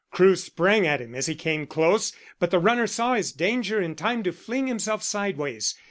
Crewe sprang at him as he came close, but the runner saw his danger in time to fling himself sideways.